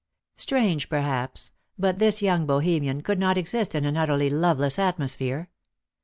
Strange, perhaps, but this young Bohemian could not exist in an utterly loveless atmosphere.